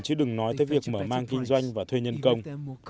chứ đừng nói tới việc mở mang kinh doanh và thuê nhân công